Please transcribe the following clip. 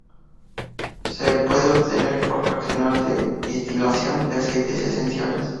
Se puede obtener por fraccionar de destilación de aceites esenciales.